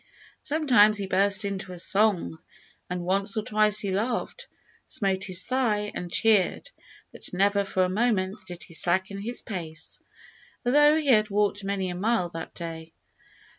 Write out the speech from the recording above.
Sometimes he burst into a song, and once or twice he laughed, smote his thigh, and cheered, but never for a moment did he slacken his pace, although he had walked many a mile that day.